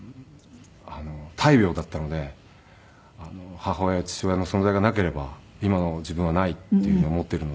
大病だったので母親父親の存在がなければ今の自分はないっていうふうに思っているので。